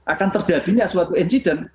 akan terjadinya suatu incident